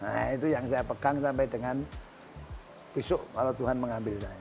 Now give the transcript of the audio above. nah itu yang saya pegang sampai dengan besok kalau tuhan mengambil saya